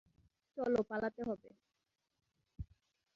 চল, পালাতে হবে।